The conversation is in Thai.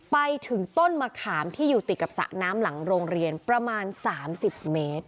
ไปถึงต้นมะขามที่อยู่ติดกับสระน้ำหลังโรงเรียนประมาณ๓๐เมตร